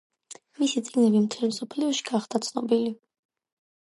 მისი წიგნები მთელ მსოფლიოში გახდა ცნობილი.